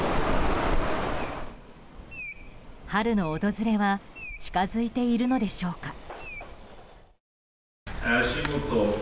春の訪れは近づいているのでしょうか。